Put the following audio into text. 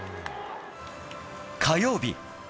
火曜日。